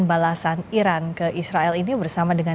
baiklah terima kasih sudah datang ke israel ini bersama dengan